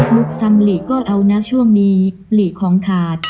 ซ้ำหลีก็เอานะช่วงนี้หลีของขาด